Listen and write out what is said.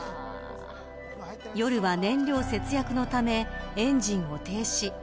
夜は燃料節約のためエンジンを停止。